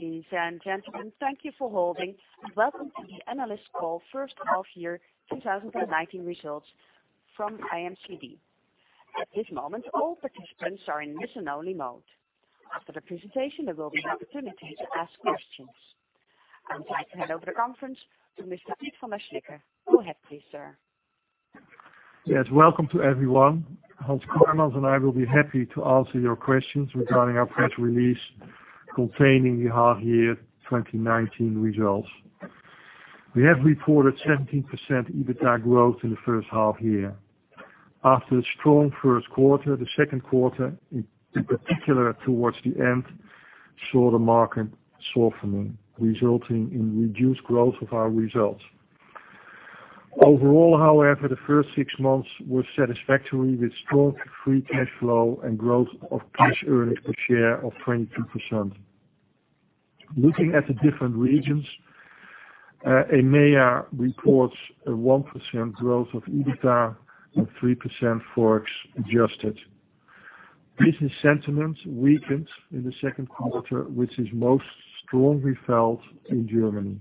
Ladies and gentlemen, thank you for holding, and welcome to the Analyst Call First Half Year 2019 Results from IMCD. At this moment, all participants are in listen-only mode. After the presentation, there will be opportunity to ask questions. I would like to hand over the conference to Mr. Piet van der Slikke. Go ahead, please, sir. Yes. Welcome to everyone. Hans Kooijmans and I will be happy to answer your questions regarding our press release containing the half year 2019 results. We have reported 17% EBITDA growth in the first half year. After a strong first quarter, the second quarter, in particular towards the end, saw the market softening, resulting in reduced growth of our results. Overall, however, the first six months were satisfactory with strong free cash flow and growth of cash earnings per share of 22%. Looking at the different regions, EMEA reports a 1% growth of EBITDA and 3% Forex adjusted. Business sentiments weakened in the second quarter, which is most strongly felt in Germany.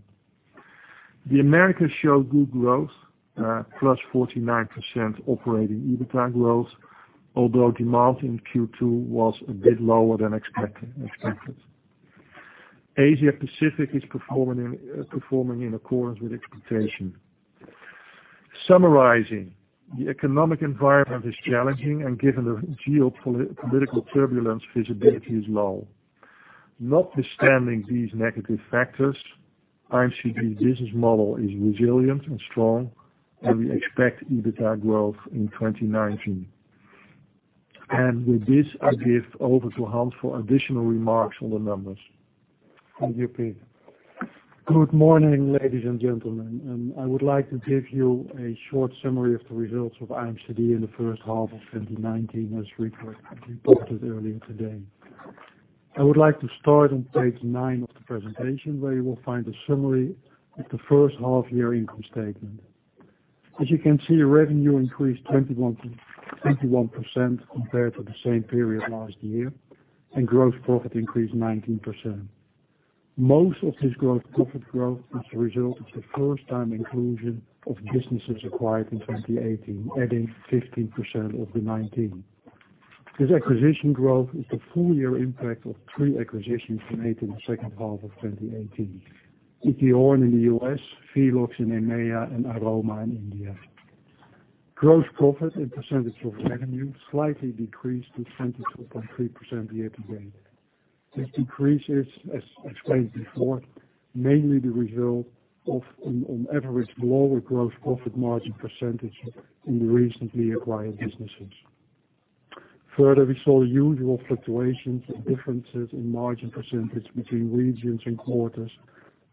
The Americas showed good growth, plus 49% operating EBITDA growth, although demand in Q2 was a bit lower than expected. Asia Pacific is performing in accordance with expectation. Summarizing, the economic environment is challenging and given the geopolitical turbulence, visibility is low. Notwithstanding these negative factors, IMCD's business model is resilient and strong, and we expect EBITDA growth in 2019. With this, I give over to Hans for additional remarks on the numbers. Thank you, Piet. Good morning, ladies and gentlemen, I would like to give you a short summary of the results of IMCD in the first half of 2019, as reported earlier today. I would like to start on page nine of the presentation, where you will find a summary of the first half year income statement. As you can see, revenue increased 21% compared to the same period last year, gross profit increased 19%. Most of this gross profit growth is a result of the first-time inclusion of businesses acquired in 2018, adding 15% of the 19%. This acquisition growth is the full year impact of three acquisitions made in the second half of 2018. E.T. Horn in the U.S., Velox in EMEA, Aroma in India. Gross profit and percentage of revenue slightly decreased to 22.3% year to date. This decrease is, as explained before, mainly the result of an on average lower gross profit margin percentage in the recently acquired businesses. We saw the usual fluctuations and differences in margin percentage between regions and quarters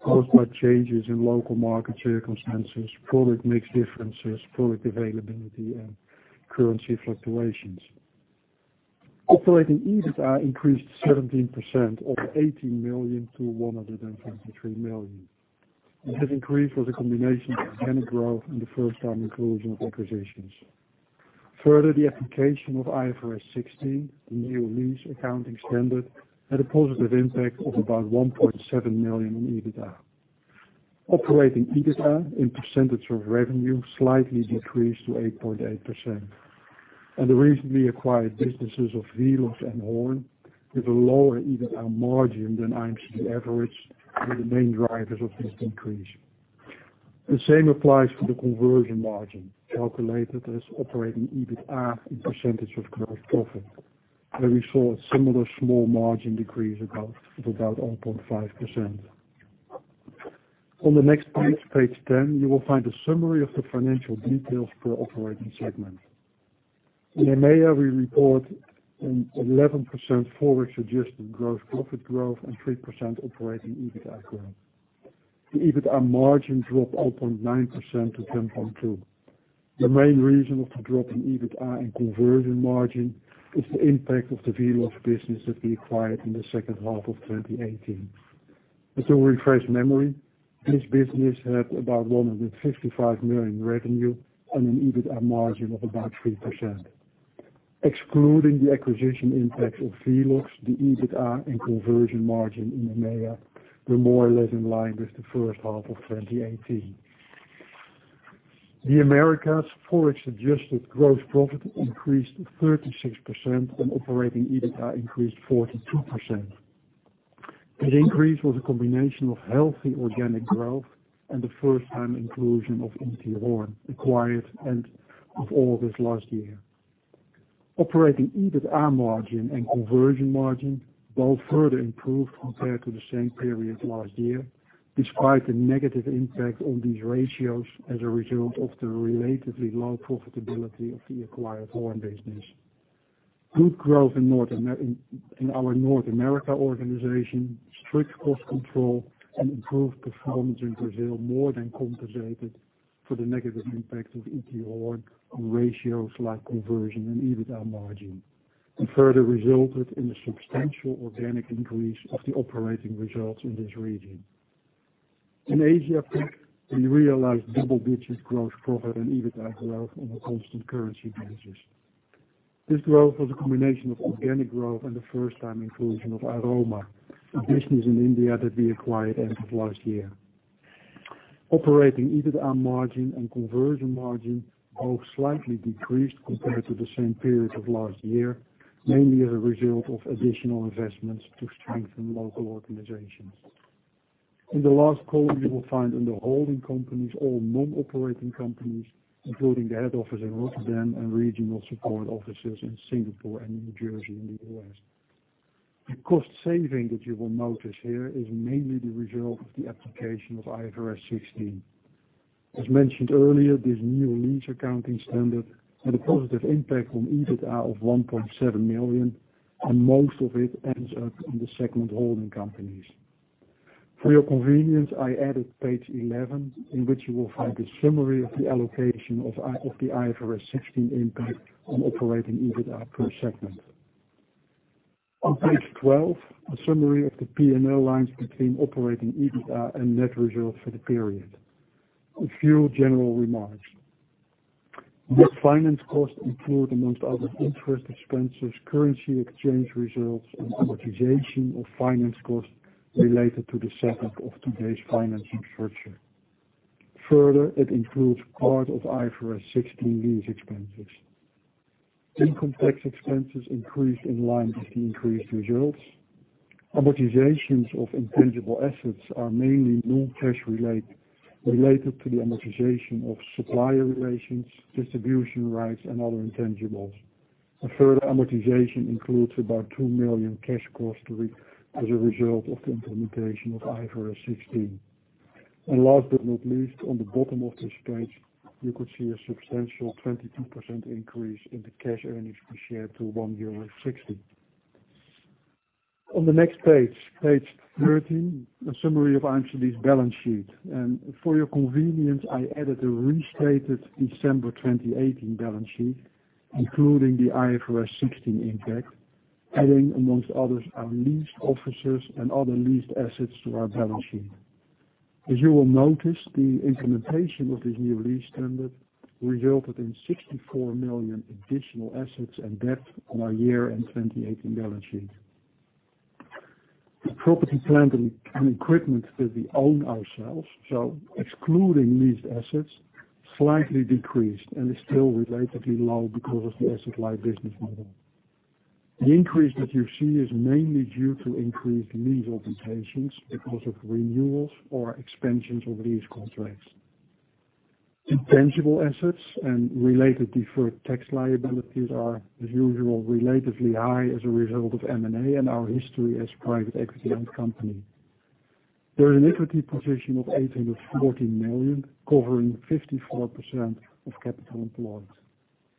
caused by changes in local market circumstances, product mix differences, product availability, and currency fluctuations. Operating EBITDA increased 17% of 18 million to 153 million, and this increase was a combination of organic growth and the first-time inclusion of acquisitions. The application of IFRS 16, the new lease accounting standard, had a positive impact of about 1.7 million in EBITDA. Operating EBITDA in percentage of revenue slightly decreased to 8.8%, and the recently acquired businesses of Velox and Horn, with a lower EBITDA margin than IMCD average, were the main drivers of this decrease. The same applies for the conversion margin, calculated as operating EBITDA in percentage of gross profit, where we saw a similar small margin decrease of about 0.5%. On the next page 10, you will find a summary of the financial details per operating segment. In EMEA, we report an 11% Forex-adjusted gross profit growth and 3% operating EBITDA growth. The EBITDA margin dropped 0.9% to 10.2%. The main reason of the drop in EBITDA and conversion margin is the impact of the Velox business that we acquired in the second half of 2018. As a refresh memory, this business had about 155 million revenue and an EBITDA margin of about 3%. Excluding the acquisition impact of Velox, the EBITDA and conversion margin in EMEA were more or less in line with the first half of 2018. The Americas' Forex-adjusted gross profit increased 36% and operating EBITDA increased 42%. This increase was a combination of healthy organic growth and the first-time inclusion of E.T. Horn, acquired end of August last year. Operating EBITDA margin and conversion margin both further improved compared to the same period last year, despite the negative impact on these ratios as a result of the relatively low profitability of the acquired Horn business. Good growth in our North America organization, strict cost control, and improved performance in Brazil more than compensated for the negative impact of E.T. Horn on ratios like conversion and EBITDA margin, and further resulted in a substantial organic increase of the operating results in this region. In Asia Pac, we realized double-digit Gross Profit and EBITDA growth on a constant currency basis. This growth was a combination of organic growth and the first-time inclusion of Aroma, a business in India that we acquired end of last year. Operating EBITDA margin and conversion margin both slightly decreased compared to the same period of last year, mainly as a result of additional investments to strengthen local organizations. In the last column, you will find under holding companies, all non-operating companies, including the head office in Rotterdam and regional support offices in Singapore and New Jersey in the U.S. The cost saving that you will notice here is mainly the result of the application of IFRS 16. As mentioned earlier, this new lease accounting standard had a positive impact on EBITDA of 1.7 million, and most of it ends up in the segment holding companies. For your convenience, I added page 11, in which you will find a summary of the allocation of the IFRS 16 impact on operating EBITDA per segment. On page 12, a summary of the P&L lines between operating EBITDA and net results for the period. A few general remarks. Net finance costs include, among others, interest expenses, currency exchange results, and amortization of finance costs related to the setup of today's financing structure. Further, it includes part of IFRS 16 lease expenses. Income tax expenses increased in line with the increased results. Amortizations of intangible assets are mainly non-cash related to the amortization of supplier relations, distribution rights, and other intangibles. A further amortization includes about 2 million cash costs as a result of the implementation of IFRS 16. Last but not least, on the bottom of this page, you could see a substantial 22% increase in the cash earnings per share to €1.60. On the next page 13, a summary of IMCD's balance sheet. For your convenience, I added a restated December 2018 balance sheet, including the IFRS 16 impact, adding, amongst others, our leased offices and other leased assets to our balance sheet. As you will notice, the implementation of this new lease standard resulted in 64 million additional assets and debt on our year-end 2018 balance sheet. The property plant and equipment that we own ourselves, so excluding leased assets, slightly decreased and is still relatively low because of the asset-light business model. The increase that you see is mainly due to increased lease obligations because of renewals or expansions of lease contracts. Intangible assets and related deferred tax liabilities are, as usual, relatively high as a result of M&A and our history as a private equity-owned company. There is an equity position of 840 million, covering 54% of capital employed.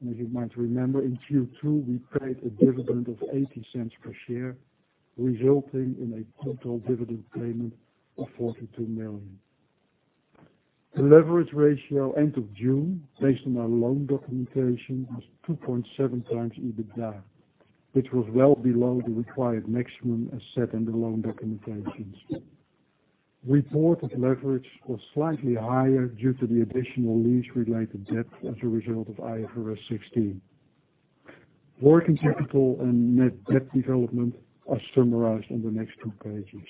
As you might remember, in Q2, we paid a dividend of 0.80 per share, resulting in a total dividend payment of 42 million. The leverage ratio end of June, based on our loan documentation, was 2.7 times EBITDA, which was well below the required maximum as set in the loan documentations. Reported leverage was slightly higher due to the additional lease-related debt as a result of IFRS 16. Working capital and net debt development are summarized on the next two pages.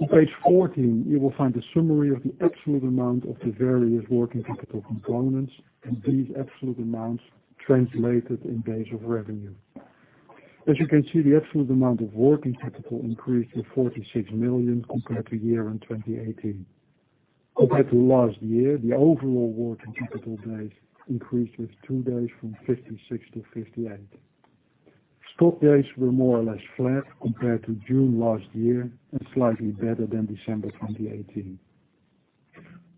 On page 14, you will find a summary of the absolute amount of the various working capital components and these absolute amounts translated in days of revenue. As you can see, the absolute amount of working capital increased to 46 million compared to year-end 2018. Compared to last year, the overall working capital days increased with two days from 56 to 58. Stock days were more or less flat compared to June last year and slightly better than December 2018.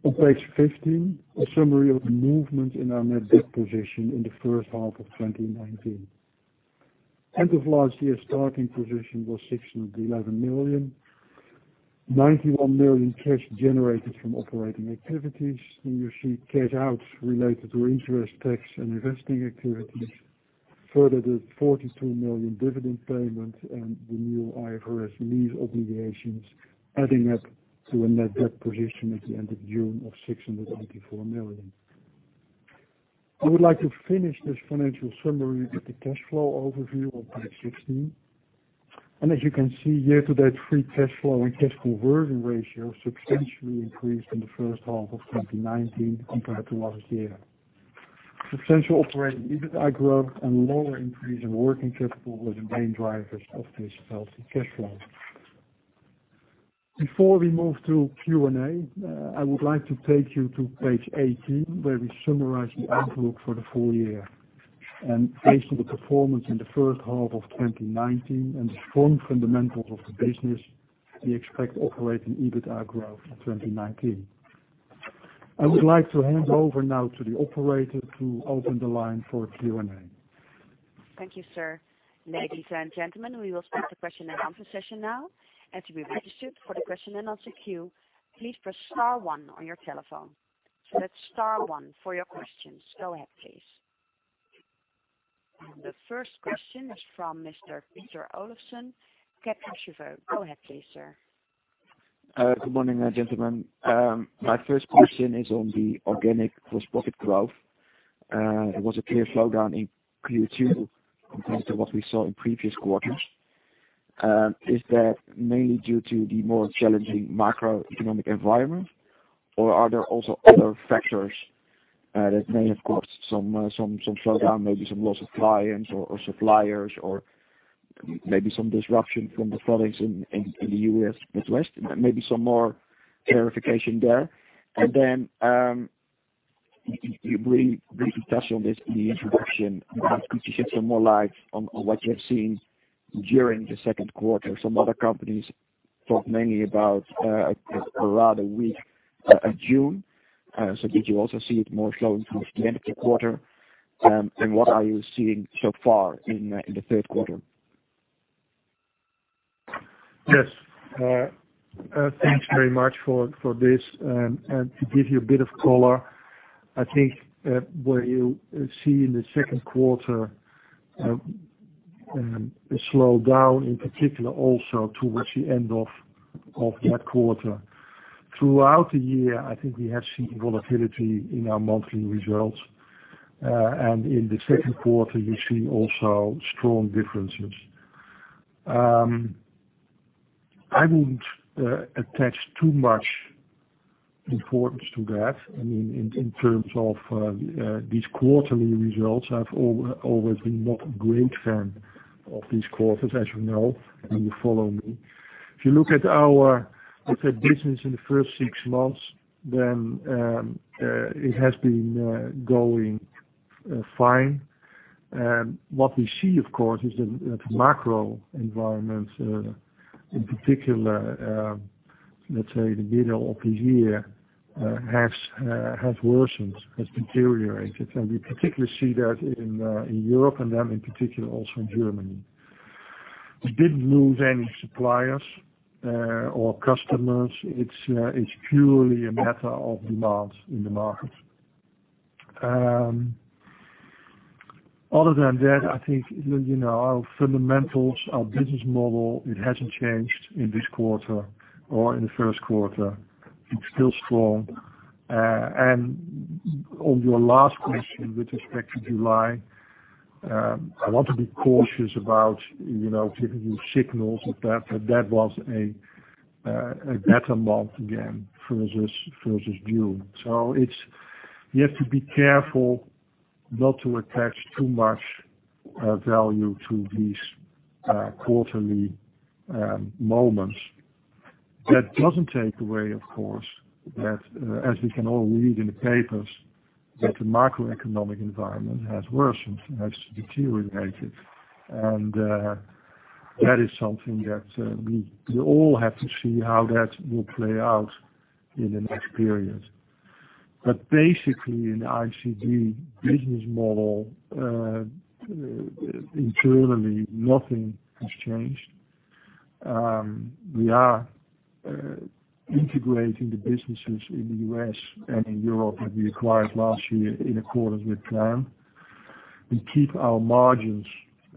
On page 15, a summary of the movement in our net debt position in the first half of 2019. End of last year, starting position was 611 million, 91 million cash generated from operating activities. You see cash outs related to interest, tax, and investing activities. Further, the 42 million dividend payment and the new IFRS lease obligations, adding up to a net debt position at the end of June of 694 million. I would like to finish this financial summary with the cash flow overview on page 16. As you can see, year-to-date free cash flow and cash conversion ratio substantially increased in the first half of 2019 compared to last year. Substantial operating EBITDA growth and lower increase in working capital were the main drivers of this healthy cash flow. Before we move to Q&A, I would like to take you to page 18, where we summarize the outlook for the full year. Based on the performance in the first half of 2019 and the strong fundamentals of the business, we expect operating EBITDA growth in 2019. I would like to hand over now to the operator to open the line for Q&A. Thank you, sir. Ladies and gentlemen, we will start the question and answer session now. To be registered for the question and answer queue, please press star one on your telephone. That's star one for your questions. Go ahead, please. The first question is from Mr. Peter Olofsen, KBC Securities. Go ahead please, sir. Good morning, gentlemen. My first question is on the organic Gross Profit growth. There was a clear slowdown in Q2 compared to what we saw in previous quarters. Is that mainly due to the more challenging macroeconomic environment, or are there also other factors that may have caused some slowdown, maybe some loss of clients or suppliers, or maybe some disruption from the floods in the U.S. Midwest? Maybe some more clarification there. Then, you briefly touched on this in the introduction. Could you shed some more light on what you have seen during the second quarter? Some other companies talked mainly about a rather weak June. Did you also see it more slowing towards the end of the quarter? What are you seeing so far in the third quarter? Yes. Thanks very much for this. To give you a bit of color, I think where you see in the second quarter a slowdown in particular also towards the end of that quarter. Throughout the year, I think we have seen volatility in our monthly results. In the second quarter, you see also strong differences. I wouldn't attach too much importance to that. In terms of these quarterly results, I've always been not a great fan of these quarters, as you know, when you follow me. If you look at our business in the first six months, then it has been going fine. What we see, of course, is that the macro environment, in particular, let's say, the middle of the year, has worsened, has deteriorated. We particularly see that in Europe, and then in particular also in Germany. We didn't lose any suppliers or customers. It's purely a matter of demand in the market. Other than that, I think, our fundamentals, our business model, it hasn't changed in this quarter or in the first quarter. It's still strong. On your last question with respect to July, I want to be cautious about giving you signals that that was a better month again versus June. You have to be careful not to attach too much value to these quarterly moments. That doesn't take away, of course, that, as we can all read in the papers, that the macroeconomic environment has worsened, has deteriorated. That is something that we all have to see how that will play out in the next period. Basically, in the IMCD business model, internally, nothing has changed. We are integrating the businesses in the U.S. and in Europe that we acquired last year in accordance with plan. We keep our margins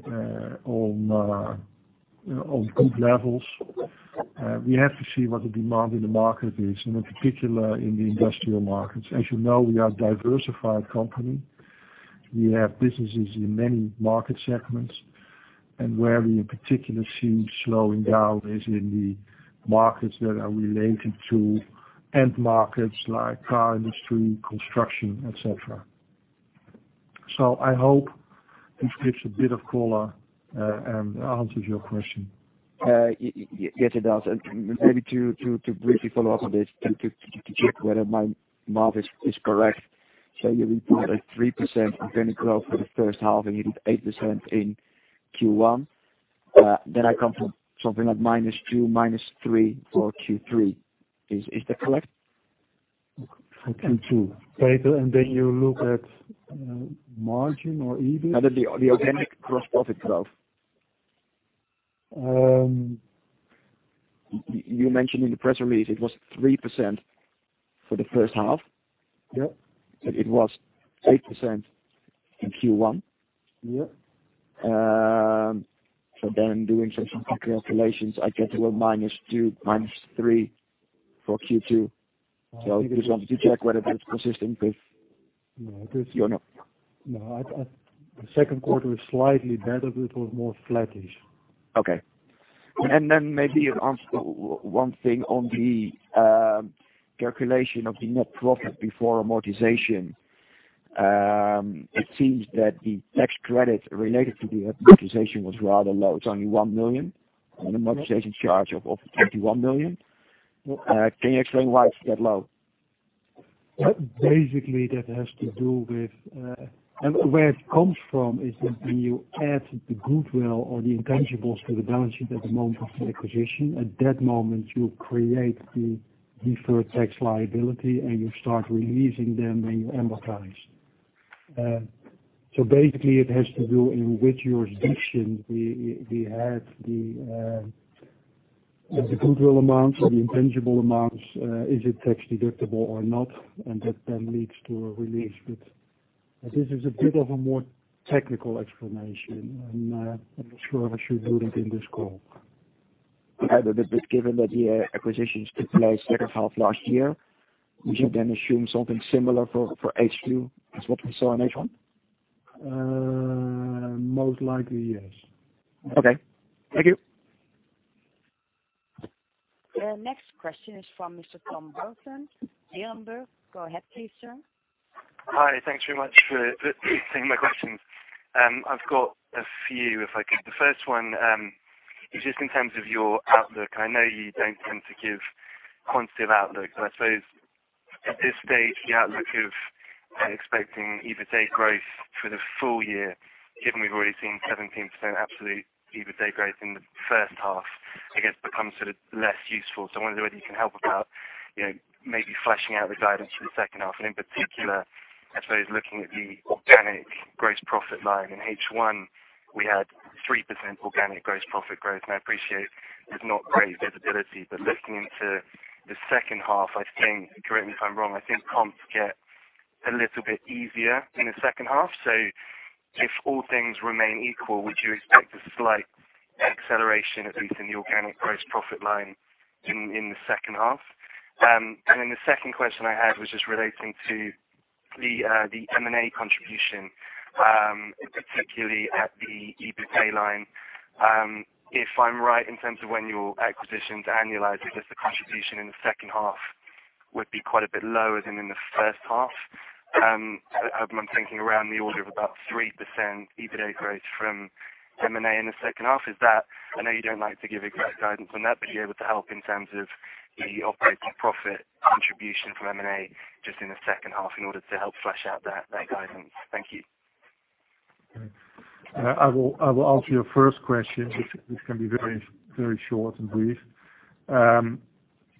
on good levels. We have to see what the demand in the market is, and in particular, in the industrial markets. As you know, we are a diversified company. We have businesses in many market segments, and where we in particular seem slowing down is in the markets that are related to end markets like car industry, construction, et cetera. I hope this gives a bit of color and answers your question. Yes, it does. Maybe to briefly follow up on this and to check whether my math is correct. You reported 3% organic growth for the first half, and you did 8% in Q1. I come to something like -2%, -3% for Q3. Is that correct for Q2? Peter, you look at margin or EBIT? No, the organic Gross Profit growth. You mentioned in the press release it was 3% for the first half. Yeah. It was 8% in Q1. Yeah. Doing some back calculations, I get to a -2, -3 for Q2. I just wanted to check whether that's consistent with? No. Not. No. The second quarter is slightly better, but it was more flattish. Okay. Maybe one thing on the calculation of the net profit before amortization. It seems that the tax credit related to the amortization was rather low. It's only 1 million on an amortization charge of 51 million. Yeah. Can you explain why it's that low? Basically, that has to do with Where it comes from is that when you add the goodwill or the intangibles to the balance sheet at the moment of the acquisition, at that moment, you create the deferred tax liability, and you start releasing them, and you amortize. Basically, it has to do in which jurisdiction we had the. The goodwill amounts or the intangible amounts, is it tax-deductible or not? That then leads to a release. This is a bit of a more technical explanation, and I'm not sure I should do it in this call. Given that the acquisitions took place second half last year, we should then assume something similar for H2 as what we saw in H1? Most likely, yes. Okay. Thank you. The next question is from Mr. Tom Sheridan, Berenberg. Go ahead, please, sir. Hi. Thanks very much for taking my questions. I've got a few if I could. The first one is just in terms of your outlook. I know you don't tend to give quantitative outlook, but I suppose at this stage, the outlook of expecting EBITA growth for the full year, given we've already seen 17% absolute EBITA growth in the first half, I guess becomes sort of less useful. I wonder whether you can help about maybe fleshing out the guidance for the second half, and in particular, I suppose looking at the organic gross profit line. In H1, we had 3% organic gross profit growth, and I appreciate there's not great visibility, but looking into the second half, correct me if I'm wrong, I think comps get a little bit easier in the second half. If all things remain equal, would you expect a slight acceleration, at least in the organic Gross Profit line in the second half? Then the second question I had was just relating to the M&A contribution, particularly at the EBITA line. If I'm right in terms of when your acquisitions annualize, I guess the contribution in the second half would be quite a bit lower than in the first half. I'm thinking around the order of about 3% EBITA growth from M&A in the second half. I know you don't like to give exact guidance on that, but are you able to help in terms of the operating profit contribution from M&A just in the second half in order to help flesh out that guidance? Thank you. I will answer your first question, which can be very short and brief.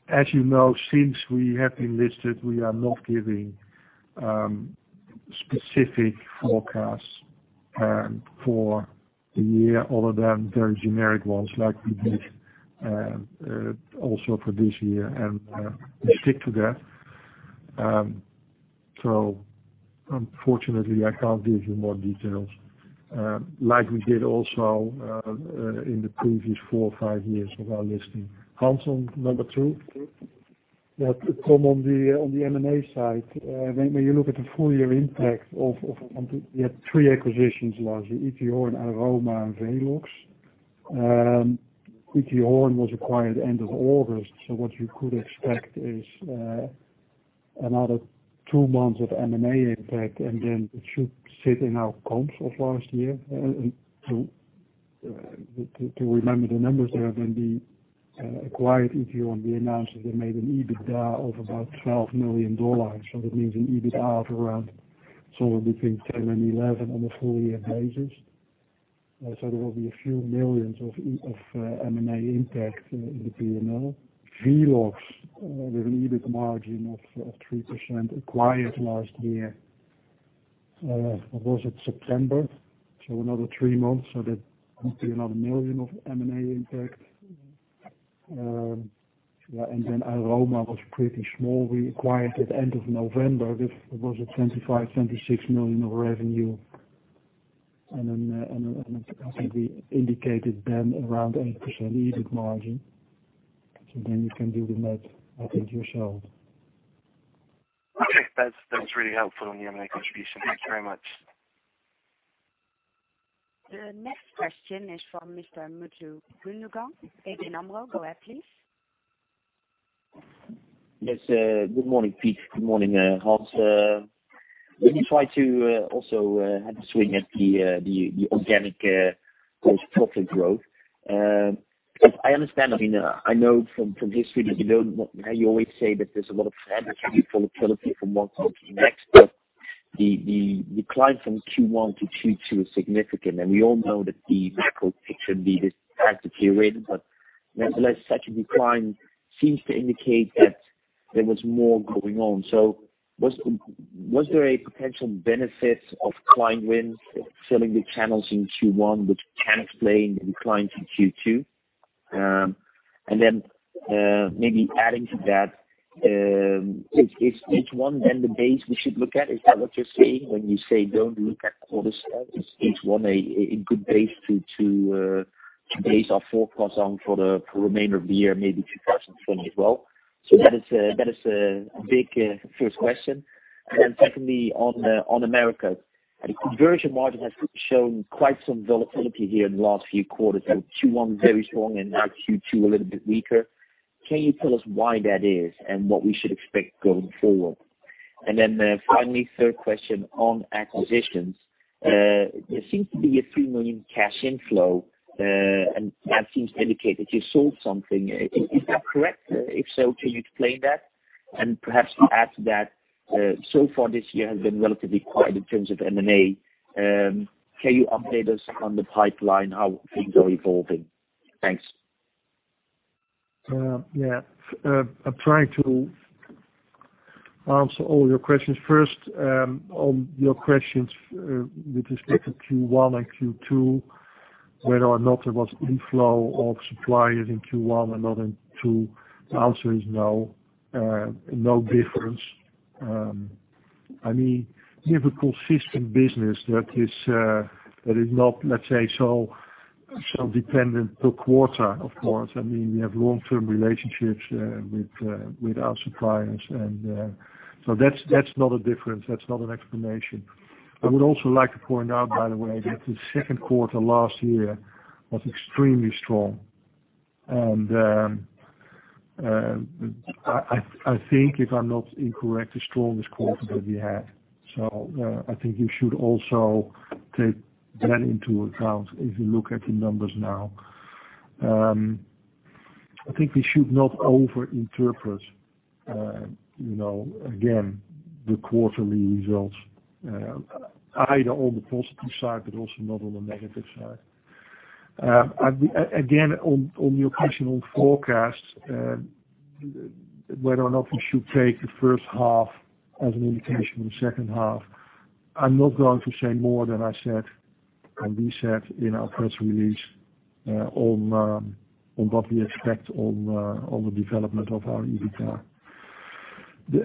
As you know, since we have been listed, we are not giving specific forecasts for the year other than very generic ones like we did also for this year, and we stick to that. Unfortunately, I can't give you more details. Like we did also in the previous four or five years of our listing. Hans, on number 2? Tom, on the M&A side, when you look at the full year impact of, you had three acquisitions last year, E.T. Horn, Aroma, and Velox. E.T. Horn was acquired end of August, what you could expect is another two months of M&A impact, and then it should sit in our comps of last year. To remember the numbers there, when we acquired E.T. Horn, we announced that they made an EBITDA of about $12 million. That means an EBITDA of around sort of between 10 and 11 on a full year basis. There will be a few millions of M&A impact in the P&L. Velox, with an EBIT margin of 3%, acquired last year, was it September? Another three months, that would be another million of M&A impact. Aroma was pretty small. We acquired at end of November. This was at 25 million, 26 million of revenue, and as we indicated then, around 8% EBIT margin. You can do the math, I think, yourself. Okay. That's really helpful on the M&A contribution. Thanks very much. The next question is from Mr. Mutlu Gundogan, ABN AMRO. Go ahead, please. Yes. Good morning, Piet. Good morning, Hans. Let me try to also have a swing at the organic gross profit growth. I understand, I know from history that you always say that there's a lot of volatility from one quarter to the next, but the decline from Q1 to Q2 is significant. We all know that the third quarter should be this tactic period, but nevertheless, such a decline seems to indicate that there was more going on. Was there a potential benefit of client wins filling the channels in Q1, which can explain the decline from Q2? Maybe adding to that, is Q1 then the base we should look at? Is that what you're saying when you say, "Don't look at all this"? Is Q1 a good base to base our forecast on for the remainder of the year, maybe 2020 as well? That is a big first question. Secondly, on America. The conversion margin has shown quite some volatility here in the last few quarters, so Q1 very strong and now Q2 a little bit weaker. Can you tell us why that is and what we should expect going forward? Finally, third question on acquisitions. There seems to be a few million EUR cash inflow, and that seems to indicate that you sold something. Is that correct? If so, can you explain that? Perhaps to add to that, so far this year has been relatively quiet in terms of M&A. Can you update us on the pipeline, how things are evolving? Thanks. Yeah. I'll try to. Answer all your questions. First, on your questions with respect to Q1 and Q2, whether or not there was inflow of suppliers in Q1 and not in two, the answer is no. No difference. We have a consistent business that is not, let's say, so dependent per quarter, of course. We have long-term relationships with our suppliers. That's not a difference, that's not an explanation. I would also like to point out, by the way, that the second quarter last year was extremely strong. I think if I'm not incorrect, the strongest quarter that we had. I think you should also take that into account if you look at the numbers now. I think we should not over interpret, again, the quarterly results, either on the positive side, but also not on the negative side. On your question on forecast, whether or not we should take the first half as an indication of the second half. I'm not going to say more than I said, and we said in our press release, on what we expect on the development of our EBITDA.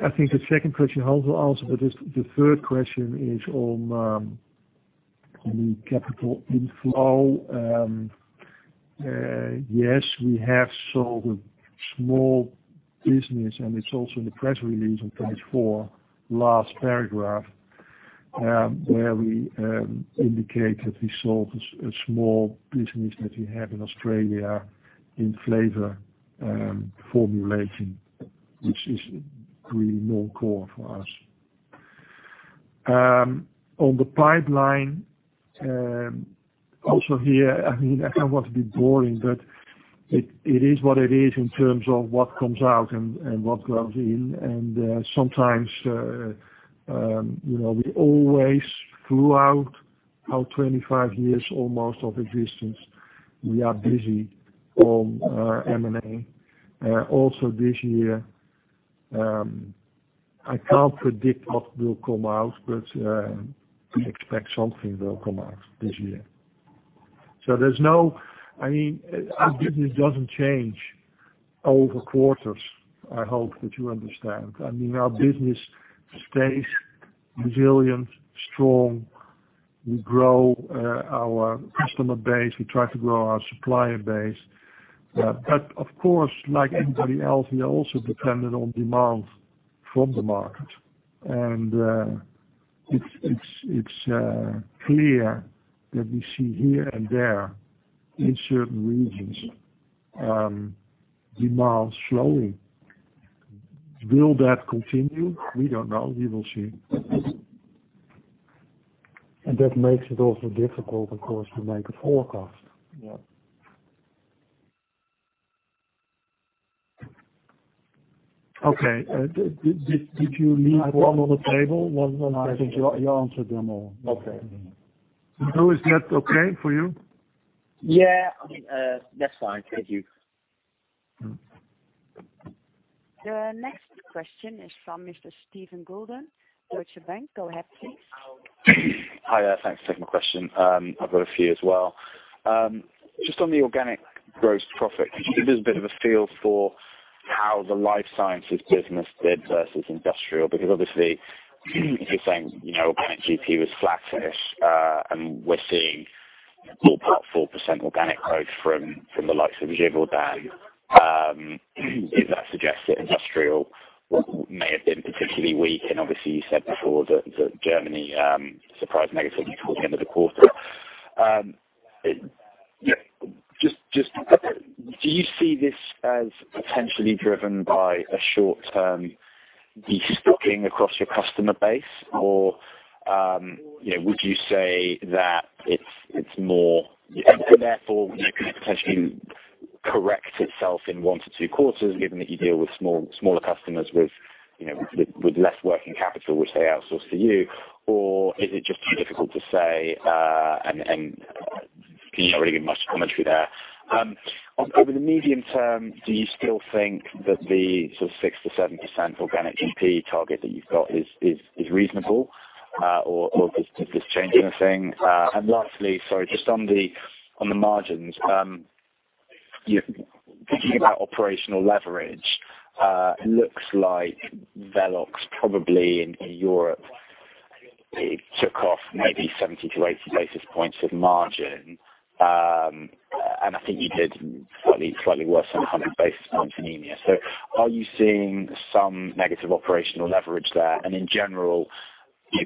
I think the second question also answered, the third question is on the capital inflow. Yes, we have sold small business, it's also in the press release on page four, last paragraph, where we indicate that we sold a small business that we had in Australia in flavor formulation, which is really non-core for us. On the pipeline, also here, I don't want to be boring, it is what it is in terms of what comes out and what goes in. Sometimes, we always, throughout our 25 years almost of existence, we are busy on M&A. This year, I can't predict what will come out, but we expect something will come out this year. Our business doesn't change over quarters, I hope that you understand. Our business stays resilient, strong. We grow our customer base. We try to grow our supplier base. Of course, like anybody else, we are also dependent on demand from the market. It's clear that we see here and there in certain regions, demand slowing. Will that continue? We don't know. We will see. That makes it also difficult, of course, to make a forecast. Yeah. Okay. Did you leave one on the table? One more. I think you answered them all. Okay. Is that okay for you? Yeah. That's fine. Thank you. The next question is from Mr. Steven Golden. Deutsche Bank. Go ahead, please. Hi there. Thanks for taking my question. I've got a few as well. On the organic Gross Profit, could you give us a bit of a feel for how the life sciences business did versus industrial? Obviously, you're saying, organic GP was flat-ish, and we're seeing ballpark 4% organic growth from the likes of Givaudan. That suggests that industrial may have been particularly weak, and obviously you said before that Germany surprised negatively towards the end of the quarter. Do you see this as potentially driven by a short-term de-stocking across your customer base? Would you say that it's more And therefore, could it potentially correct itself in one to two quarters, given that you deal with smaller customers with less working capital, which they outsource to you? Is it just too difficult to say? Can you not really give much commentary there. Over the medium term, do you still think that the 6%-7% organic GP target that you've got is reasonable? Does this change anything? Lastly, sorry, just on the margins. Thinking about operational leverage, looks like Velox probably in Europe, it took off maybe 70 to 80 basis points of margin. I think you did slightly worse on 100 basis points in EMEA. Are you seeing some negative operational leverage there? In general,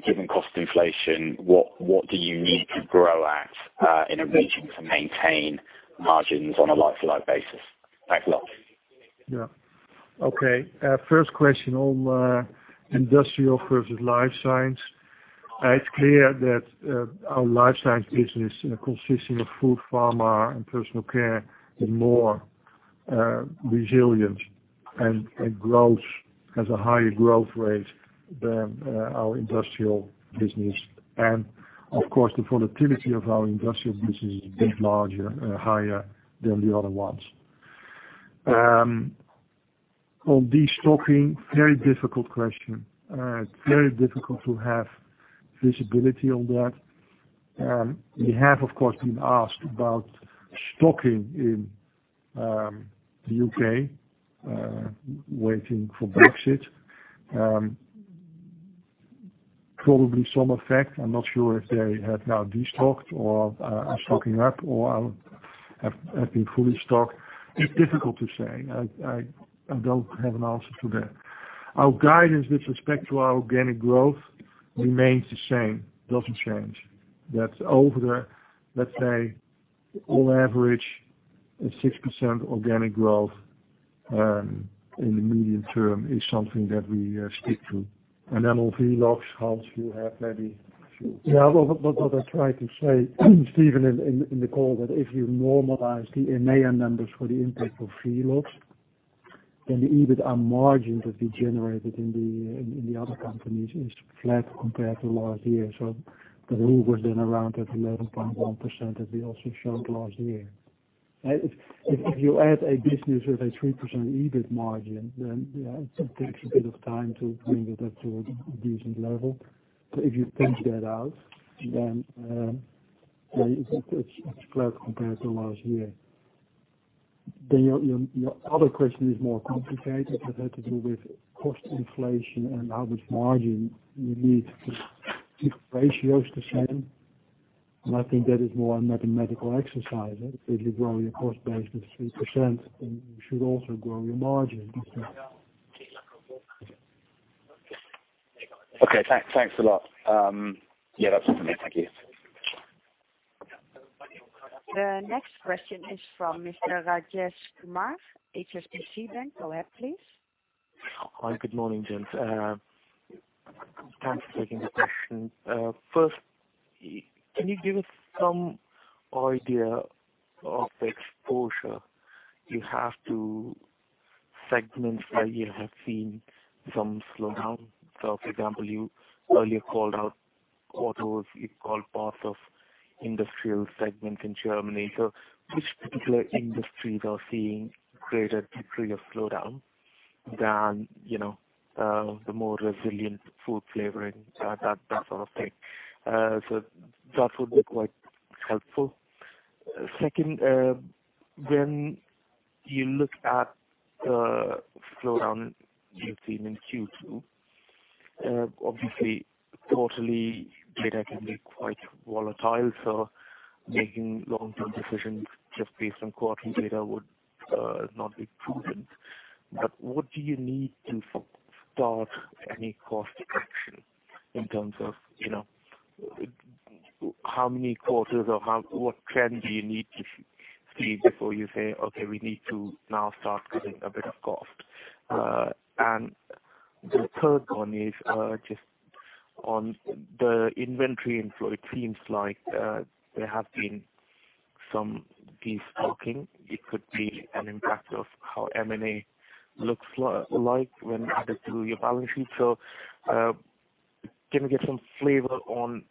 given cost inflation, what do you need to grow at in a region to maintain margins on a like-to-like basis? Thanks a lot. Yeah. Okay. First question on industrial versus life science. It's clear that our life science business consisting of food, pharma, and personal care, is more resilient and has a higher growth rate than our industrial business. Of course, the volatility of our industrial business is a bit larger, higher than the other ones. On destocking, very difficult question. It's very difficult to have visibility on that. We have, of course, been asked about stocking in the U.K., waiting for Brexit. Probably some effect. I'm not sure if they have now destocked or are stocking up or have been fully stocked. It's difficult to say. I don't have an answer to that. Our guidance with respect to our organic growth remains the same, doesn't change. That's over the, let's say, on average, a 6% organic growth in the medium term is something that we stick to. On Velox, Hans, you have maybe a few. What I tried to say, Steven, in the call, that if you normalize the M&A numbers for the impact of Velox, the EBITA margin that we generated in the other companies, is flat compared to last year. The rule was around that 11.1% that we also showed last year. If you add a business with a 3% EBITA margin, it takes a bit of time to bring it up to a decent level. If you pinch that out, it's flat compared to last year. Your other question is more complicated. That had to do with cost inflation and how much margin you need to keep ratios the same. I think that is more a mathematical exercise. If you grow your cost base with 3%, you should also grow your margin. Okay. Thanks a lot. Yeah, that's it for me. Thank you. The next question is from Mr. Rajesh Kumar, HSBC Bank. Go ahead, please. Hi. Good morning, gents. Thanks for taking the question. First, can you give us some idea of the exposure you have to segments where you have seen some slowdown? For example, you earlier called out autos, you called parts of industrial segments in Germany. Which particular industries are seeing greater degree of slowdown than the more resilient food flavoring, that sort of thing? That would be quite helpful. Second, when you look at the slowdown you've seen in Q2, obviously quarterly data can be quite volatile, so making long-term decisions just based on quarterly data would not be prudent. What do you need to start any cost action in terms of how many quarters, or what trend do you need to see before you say, "Okay, we need to now start cutting a bit of cost"? The third one is just on the inventory inflow. It seems like there have been some destocking. It could be an impact of how M&A looks like when added to your balance sheet. Can we get some flavor on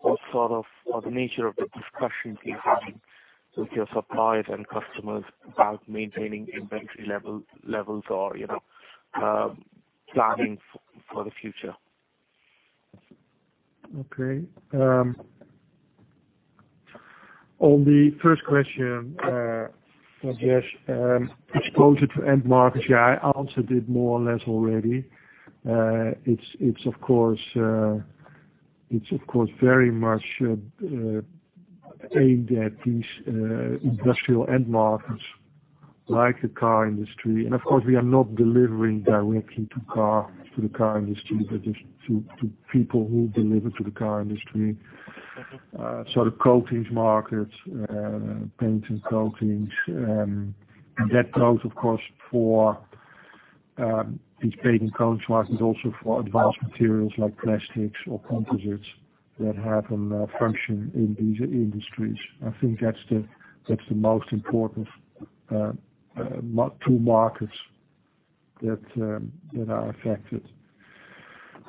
what sort of, or the nature of the discussions you're having with your suppliers and customers about maintaining inventory levels or planning for the future? Okay. On the first question, Rajesh, exposure to end markets. Yeah, I answered it more or less already. It's of course very much aimed at these industrial end markets, like the car industry. Of course, we are not delivering directly to the car industry, but just to people who deliver to the car industry. The coatings markets, paints and coatings, that goes of course for these paint and coat markets, also for advanced materials like plastics or composites that have a function in these industries. I think that's the most important two markets that are affected.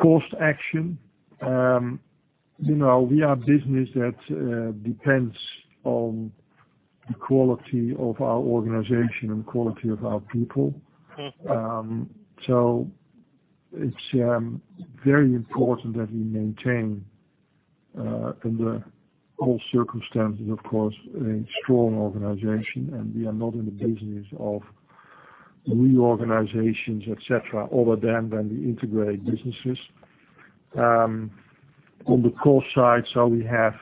Cost action. We are a business that depends on the quality of our organization and quality of our people. It's very important that we maintain, under all circumstances of course, a strong organization and we are not in the business of reorganizations, et cetera, other than when we integrate businesses. On the cost side, we have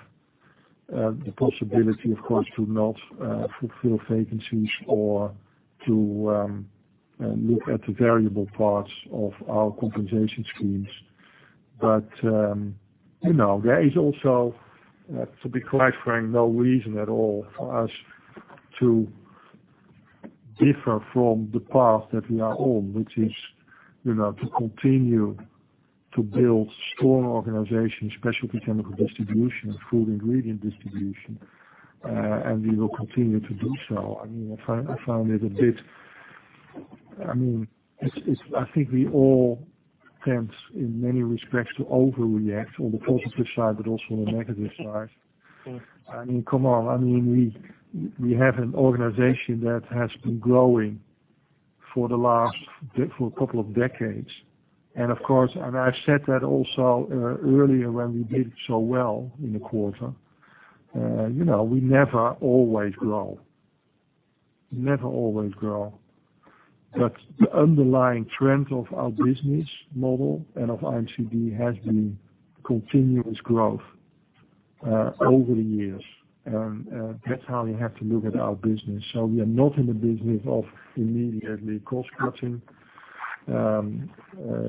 the possibility, of course, to not fulfill vacancies or to look at the variable parts of our compensation schemes. There is also, to be quite frank, no reason at all for us to differ from the path that we are on, which is to continue to build strong organizations, specialty chemicals distribution and food ingredients distribution. We will continue to do so. I mean, I think we all tend, in many respects, to overreact on the positive side, but also on the negative side. Come on. We have an organization that has been growing for a couple of decades. I said that also earlier, when we did so well in the quarter. We never always grow. The underlying trend of our business model and of IMCD has been continuous growth over the years. That's how we have to look at our business. We are not in the business of immediately cost cutting. We rely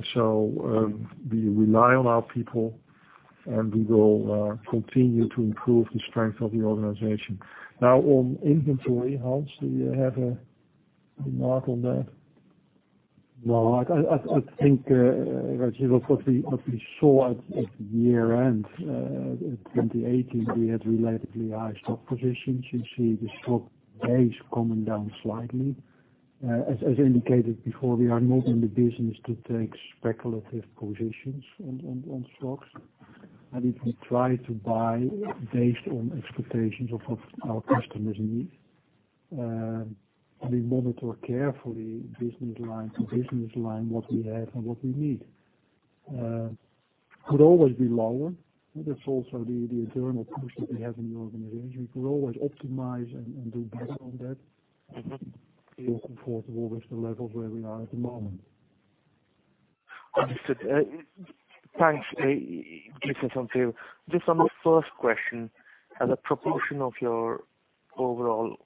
on our people, and we will continue to improve the strength of the organization. Now, on inventory, Hans, do you have a remark on that? No. I think, Rajesh, what we saw at year-end, at 2018, we had relatively high stock positions. You see the stock days coming down slightly. As indicated before, we are not in the business to take speculative positions on stocks. If we try to buy based on expectations of our customers' needs, we monitor carefully business line to business line, what we have and what we need. Could always be lower. That's also the eternal push that we have in the organization. We could always optimize and do better on that. Feel comfortable with the levels where we are at the moment. Understood. Thanks. Listen, just on the first question, as a proportion of your overall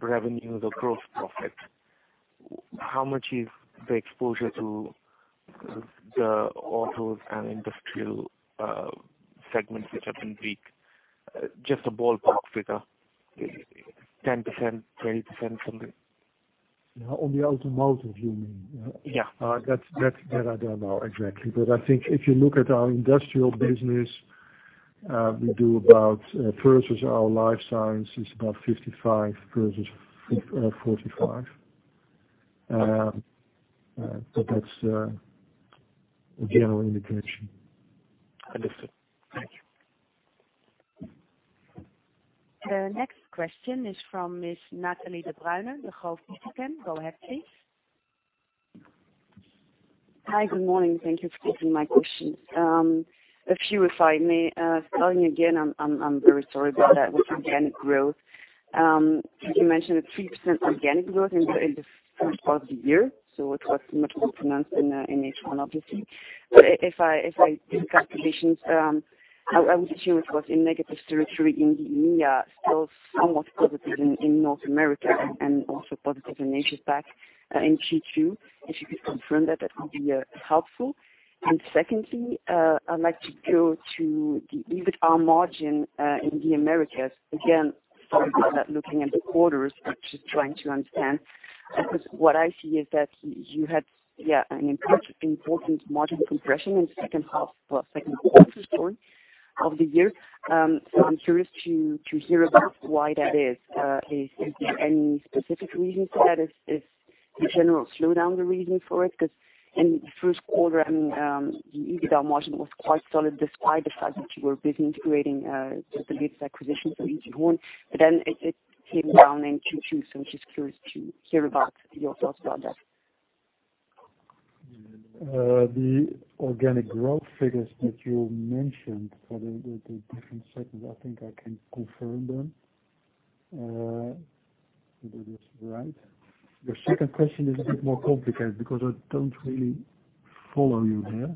revenues or gross profit, how much is the exposure to the autos and industrial segments which have been weak? Just a ballpark figure. 10%, 20%, something. On the automotive, you mean? Yeah. That I don't know exactly, but I think if you look at our industrial business, versus our life science, it's about 55 versus 45. That's a general indication. Understood. Thank you. The next question is from Miss Natalie de Bruijn, Degroof Petercam. Go ahead, please. Hi. Good morning. Thank you for taking my question. A few, if I may. Starting again, I'm very sorry about that, with organic growth. You mentioned a 3% organic growth in the first part of the year, so it was much more pronounced in H1, obviously. If I did calculations, I would assume it was in negative territory in EMEA, still somewhat positive in North America and also positive in Asia PAC in Q2. If you could confirm that would be helpful. Secondly, I'd like to go to the EBITA margin in the Americas. Again, sorry for not looking at the quarters, but just trying to understand, because what I see is that you had an important margin compression in second half, or second quarter, sorry, of the year. I'm curious to hear about why that is. Is there any specific reason for that? Is the general slowdown the reason for it? In the first quarter, the EBITA margin was quite solid, despite the fact that you were busy integrating the latest acquisition from E.T. Horn Company. It came down in Q2. I'm just curious to hear about your thoughts about that. The organic growth figures that you mentioned for the different segments, I think I can confirm them. Let me get this right. The second question is a bit more complicated, because I don't really follow you there.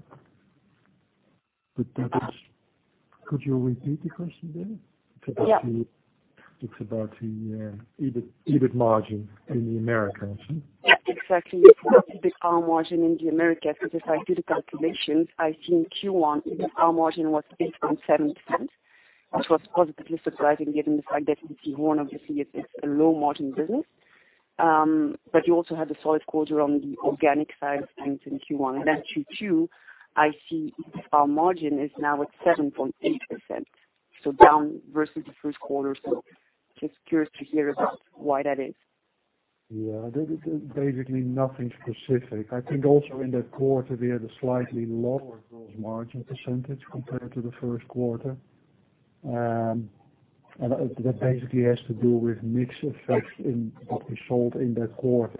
Could you repeat the question there? Yeah. It's about the EBIT margin in the Americas. Exactly. The EBITA margin in the Americas, because I did the calculations. I see in Q1, EBITA margin was 8.7%, which was positively surprising given the fact that E.T. Horn, obviously, is a low margin business. You also had a solid quarter on the organic side of things in Q1. Q2, I see EBITA margin is now at 7.8%, down versus the first quarter. Just curious to hear about why that is. Basically nothing specific. I think also in that quarter, we had a slightly lower gross margin percentage compared to the first quarter. That basically has to do with mix effects in what we sold in that quarter.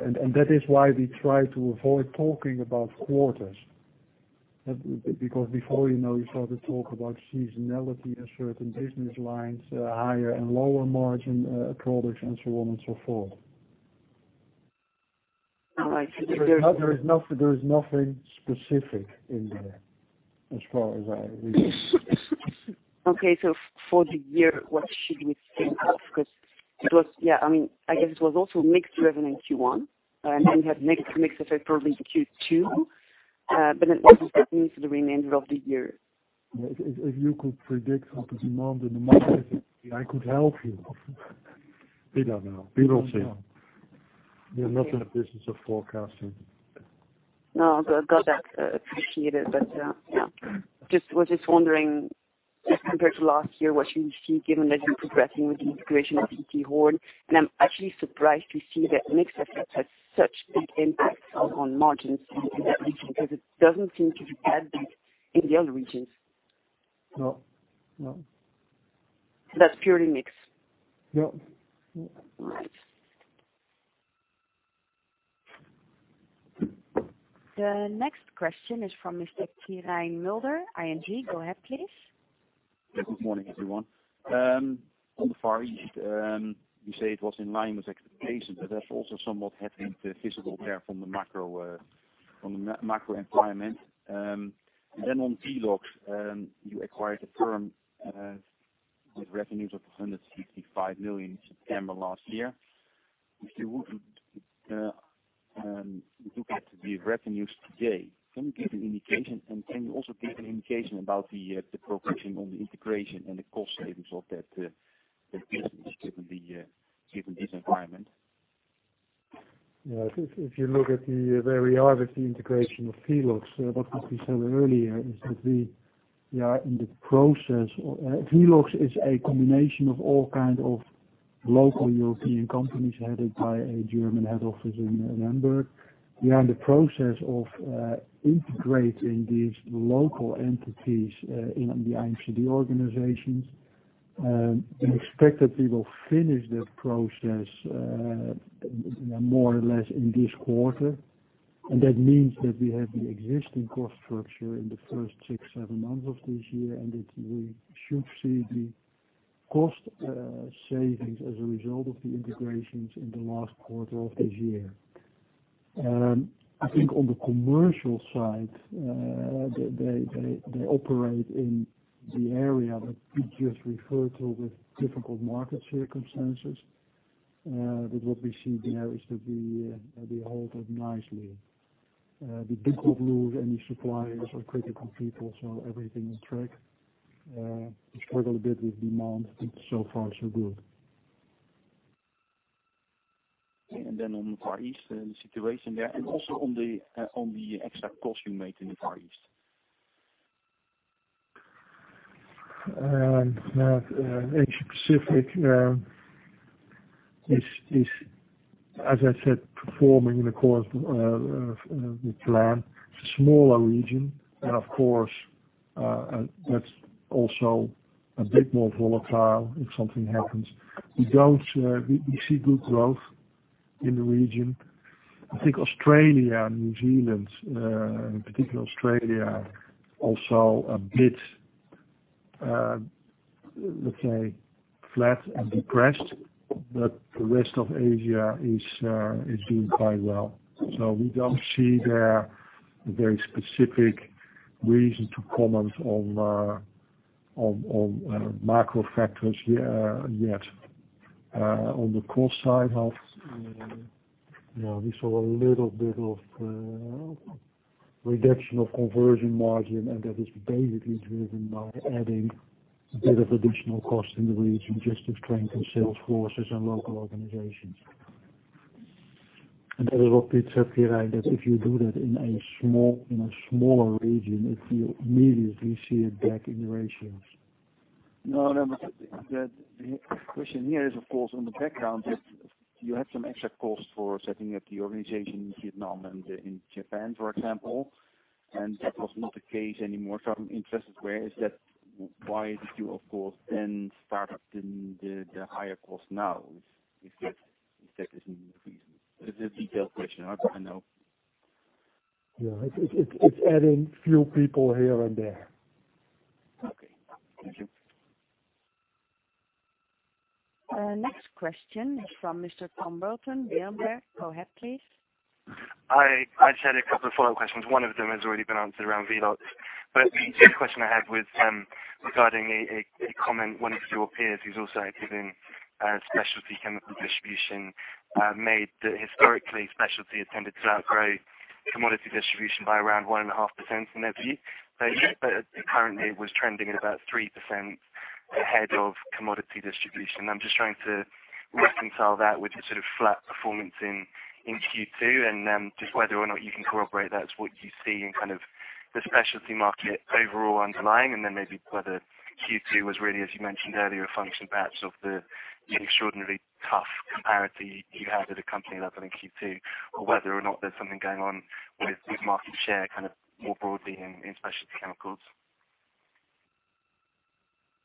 Because before you know, you start to talk about seasonality in certain business lines, higher and lower margin products, and so on and so forth. All right. There is nothing specific in there, as far as I read it. Okay. For the year, what should we think of? I guess it was also mix driven in Q1, and then you had mix effect probably in Q2. What does that mean for the remainder of the year? If you could predict into demand in the market, I could help you. We don't know. We will see. We are not in the business of forecasting. No, got that. Appreciate it. Was just wondering, just compared to last year, what you see, given that you're progressing with the integration of E.T. Horn. I'm actually surprised to see that mix has such big impact on margins in that region, because it doesn't seem to add that in the other regions. No. That's purely mix? Yeah. All right. The next question is from Mr. Tijn Mulder, ING. Go ahead, please. Good morning, everyone. On the Far East, you say it was in line with expectations, that's also somewhat helping the physical there from the macro environment. On Velox, you acquired the firm with revenues of 165 million in September last year. If you look at the revenues today, can you give an indication, and can you also give an indication about the progression on the integration and the cost savings of that business given this environment? Yeah. If you look at where we are with the integration of Velox, what we said earlier is that we are in the process. Velox is a combination of all kind of local European companies headed by a German head office in Hamburg. We are in the process of integrating these local entities in the IMCD organizations. We expect that we will finish that process, more or less in this quarter. That means that we have the existing cost structure in the first six, seven months of this year, and that we should see the cost savings as a result of the integrations in the last quarter of this year. I think on the commercial side, they operate in the area that we just referred to with difficult market circumstances. What we see there is that we hold up nicely. We did not lose any suppliers or critical people. Everything on track. We struggle a bit with demand. So far so good. Okay. On the Far East and the situation there, and also on the extra cost you made in the Far East. Asia Pacific is, as I said, performing in the course of the plan. It's a smaller region. Of course, that's also a bit more volatile if something happens. We see good growth in the region. I think Australia and New Zealand, in particular Australia, also a bit, let's say, flat and depressed. The rest of Asia is doing quite well. We don't see their very specific reason to comment on macro factors yet. On the cost side, we saw a little bit of reduction of conversion margin. That is basically driven by adding a bit of additional cost in the region just to strengthen sales forces and local organizations. That is what Piet said here, that if you do that in a smaller region, if you immediately see it back in the ratios. The question here is, of course, on the background that you had some extra costs for setting up the organization in Vietnam and in Japan, for example, and that was not the case anymore. I'm interested, why did you, of course, then start up the higher cost now? If that is the reason. It's a detailed question, I know. Yeah. It's adding few people here and there. Okay. Thank you. Next question from Mr. Tom Bolton, Berenberg. Go ahead, please. I just had a couple of follow-up questions. One of them has already been answered around Velox, but the other question I had was regarding a comment one of your peers, who's also active in specialty chemical distribution, made that historically, specialty has tended to outgrow commodity distribution by around 1.5% from their view. Currently, it was trending at about 3% ahead of commodity distribution. I'm just trying to reconcile that with the sort of flat performance in Q2, and then just whether or not you can corroborate that's what you see in kind of the specialty market overall underlying. Maybe whether Q2 was really, as you mentioned earlier, a function perhaps of the extraordinarily tough comparables you had at a company level in Q2, or whether or not there's something going on with market share kind of more broadly in specialty chemicals.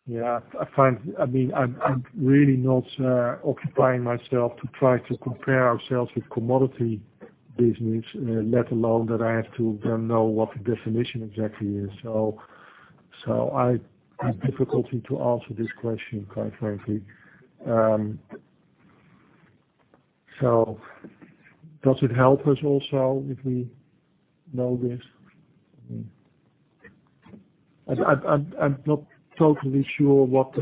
Yeah. I'm really not occupying myself to try to compare ourselves with commodity business, let alone that I have to then know what the definition exactly is. I have difficulty to answer this question, quite frankly. Does it help us also if we know this? I'm not totally sure what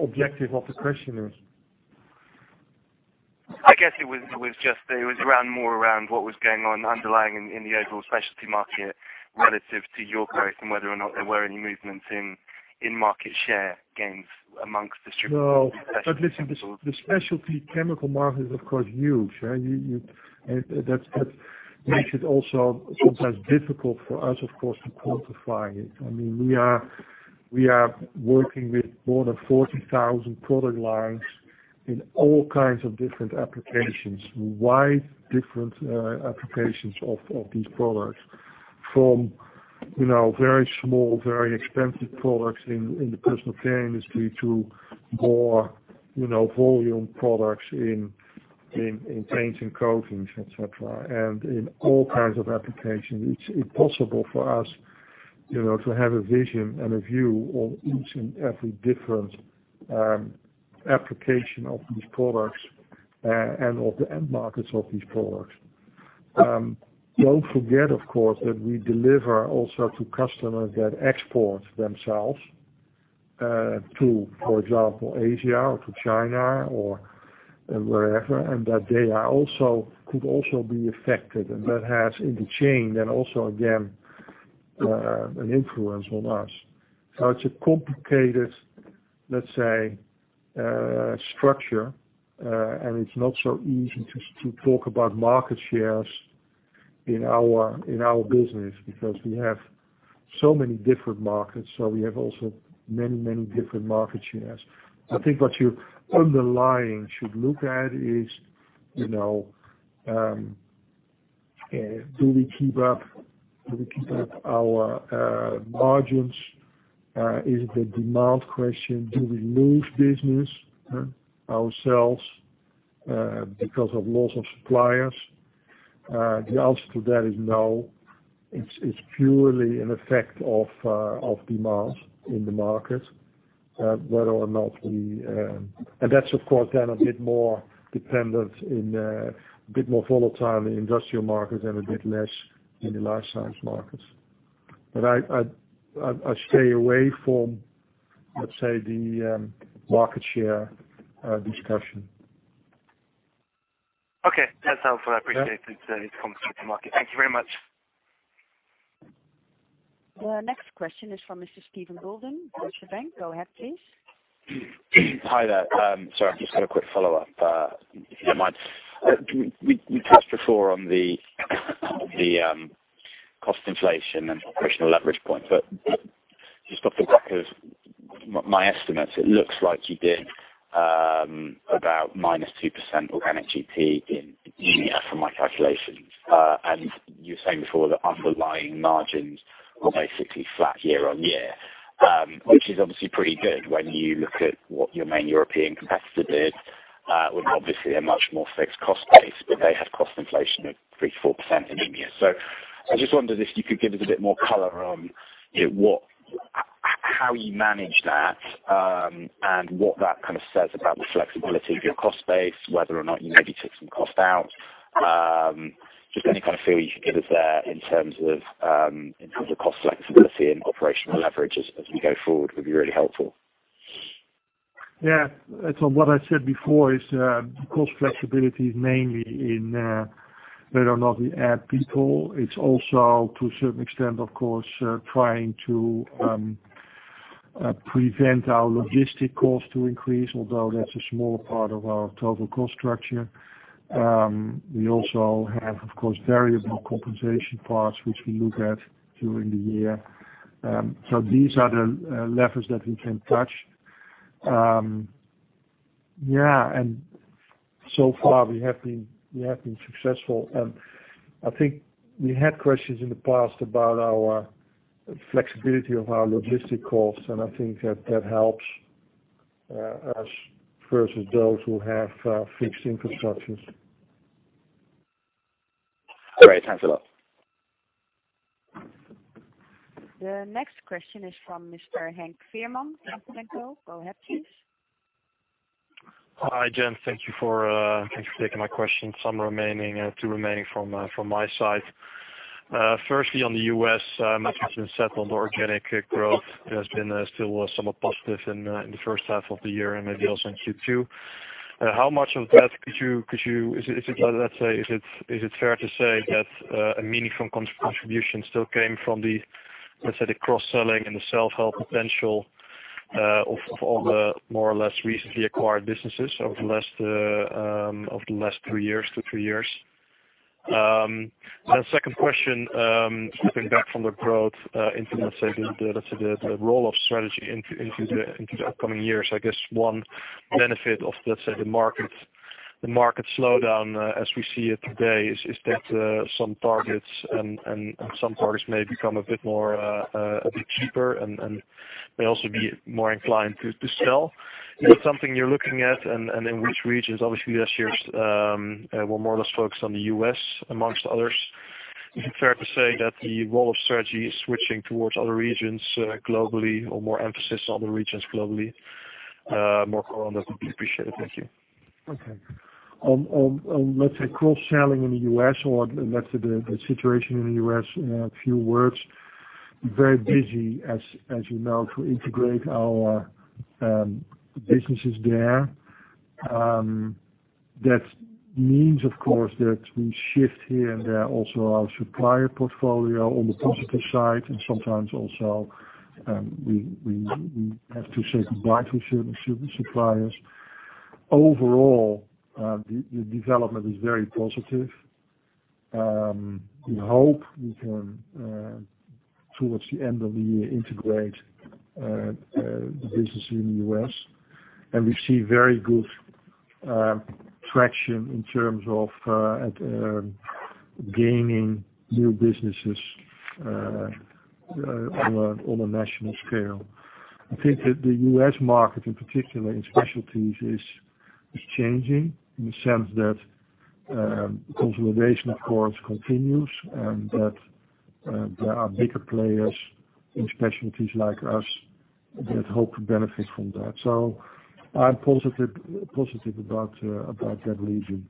objective of this question is. I guess it was more around what was going on underlying in the overall specialty market relative to your growth and whether or not there were any movements in market share gains amongst distributors. No. Listen, the specialty chemical market is, of course, huge. That's Which is also sometimes difficult for us, of course, to quantify it. We are working with more than 40,000 product lines in all kinds of different applications, wide different applications of these products. From very small, very expensive products in the personal care industry to more volume products in paints and coatings, et cetera, and in all kinds of applications. It's impossible for us to have a vision and a view of each and every different application of these products, and of the end markets of these products. Don't forget, of course, that we deliver also to customers that export themselves, to, for example, Asia or to China or wherever, and that they could also be affected. That has, in the chain then also, again, an influence on us. It's a complicated, let's say, structure. It's not so easy to talk about market shares in our business because we have so many different markets. We have also many different market shares. I think what you underlying should look at is, do we keep up our margins? Is it a demand question? Do we lose business ourselves because of loss of suppliers? The answer to that is no. It's purely an effect of demand in the market. That's, of course, then a bit more dependent and a bit more volatile in the industrial markets and a bit less in the life science markets. I stay away from, let's say, the market share discussion. Okay. That's helpful. I appreciate it. It comes to the market. Thank you very much. The next question is from Mr. Steven Golden, Deutsche Bank. Go ahead, please. Hi there. Sorry, I've just got a quick follow-up, if you don't mind. You touched before on the cost inflation and operational leverage point, but just off the back of my estimates, it looks like you did about minus 2% of GP in EMEA, from my calculations. You were saying before that underlying margins were basically flat year-on-year. Which is obviously pretty good when you look at what your main European competitor did, with obviously a much more fixed cost base, but they had cost inflation of 3%-4% in EMEA. I just wondered if you could give us a bit more color on how you manage that, and what that kind of says about the flexibility of your cost base, whether or not you maybe took some cost out. Just any kind of feel you could give us there in terms of cost flexibility and operational leverage as we go forward would be really helpful. Yeah. What I said before is, cost flexibility is mainly in whether or not we add people. It's also, to a certain extent, of course, trying to prevent our logistic costs to increase, although that's a smaller part of our total cost structure. We also have, of course, variable compensation parts, which we look at during the year. These are the levers that we can touch. Yeah. Far, we have been successful. I think we had questions in the past about our flexibility of our logistic costs, and I think that helps us versus those who have fixed infrastructures. Great. Thanks a lot. The next question is from Mr. Henk Veerman, Kempen & Co. Go ahead, please. Hi, Hans. Thank you for taking my question. Two remaining from my side. Firstly, on the U.S., my question is set on the organic growth that has been still somewhat positive in the first half of the year and maybe also in Q2. How much of that could you Let's say, is it fair to say that a meaningful contribution still came from the cross-selling and the self-help potential of all the more or less recently acquired businesses over the last two, three years? Second question, stepping back from the growth into the role of strategy into the upcoming years. I guess one benefit of the market slowdown as we see it today is that some targets may become a bit cheaper and may also be more inclined to sell. Is that something you're looking at, and in which regions? Obviously, last year's were more or less focused on the U.S., amongst others. Is it fair to say that the role of strategy is switching towards other regions globally or more emphasis on the regions globally, more core on that would be appreciated. Thank you. On, let's say, cross-selling in the U.S. or, let's say, the situation in the U.S., in a few words. Very busy, as you know, to integrate our businesses there. That means, of course, that we shift here and there also our supplier portfolio on the principal side, and sometimes also, we have to say goodbye to certain suppliers. Overall, the development is very positive. We hope we can, towards the end of the year, integrate the business in the U.S., and we see very good traction in terms of gaining new businesses on a national scale. I think that the U.S. market, in particular in specialties, is changing in the sense that consolidation, of course, continues and that there are bigger players in specialties like us that hope to benefit from that. I'm positive about that region.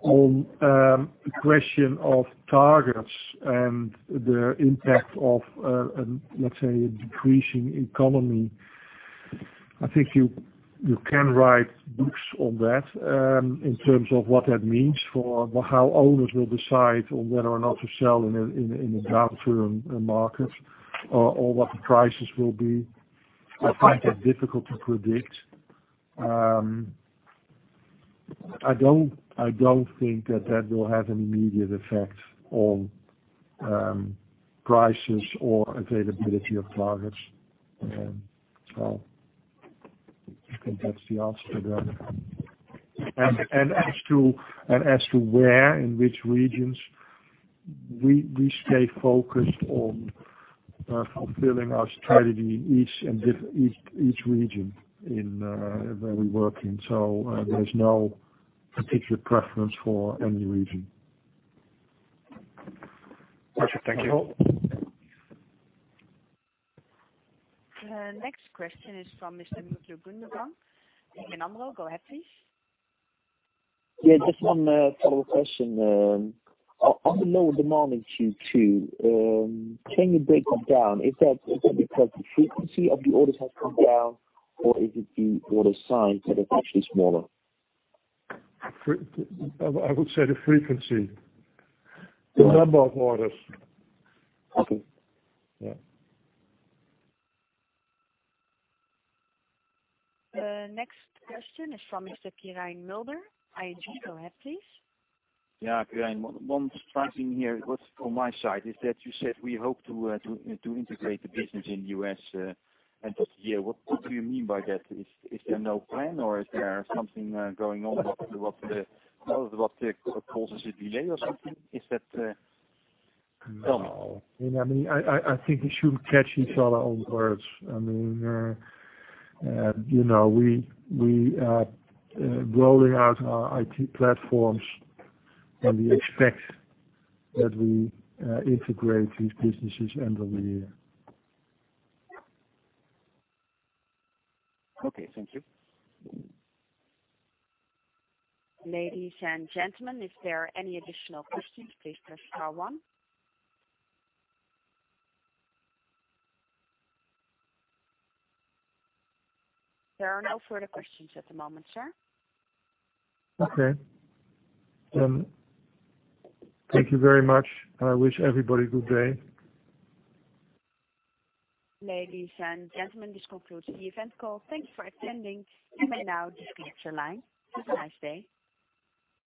On the question of targets and the impact of, let's say, a decreasing economy, I think you can write books on that in terms of what that means for how owners will decide on whether or not to sell in the downturn market or what the prices will be. I find that difficult to predict. I don't think that that will have an immediate effect on prices or availability of targets. I think that's the answer to that. As to where, in which regions, we stay focused on fulfilling our strategy in each region where we work in. There's no particular preference for any region. Perfect. Thank you. The next question is from Mr. Nicoletta Finardi, Bank of America. Go ahead, please. Yeah, just one follow-up question. On the lower demand in Q2, can you break that down? Is that because the frequency of the orders has come down, or is it the orders signed that are actually smaller? I would say the frequency. The number of orders. Okay. Yeah. The next question is from Mr. Tijn Mulder, ING. Go ahead, please. Yeah, Tijn. One surprising here was on my side is that you said we hope to integrate the business in the U.S. end of the year. What do you mean by that? Is there no plan or is there something going on? What causes the delay or something? Is that done? No. I think we shouldn't catch each other on words. We are rolling out our IT platforms, and we expect that we integrate these businesses end of the year. Okay, thank you. Ladies and gentlemen, if there are any additional questions, please press star one. There are no further questions at the moment, sir. Okay. Thank you very much. I wish everybody a good day. Ladies and gentlemen, this concludes the event call. Thank you for attending. You may now disconnect your line. Have a nice day.